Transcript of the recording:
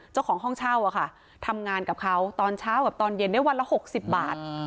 เจ้าของห้องเช่าทำงานกับเขาตอนเช้ากับตอนเย็นได้วันละ๖๐บาท